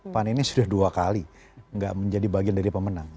pan ini sudah dua kali gak menjadi bagian dari pemenang